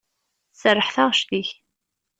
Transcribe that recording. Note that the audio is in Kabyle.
Tserreḥ taɣect-ik.